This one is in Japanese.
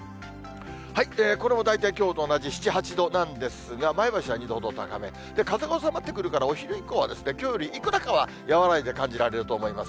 これも大体きょうと同じ７、８度なんですが、前橋は２度と高め、風が収まってくるから、お昼以降はきょうよりいくらかは和らいで感じられると思います。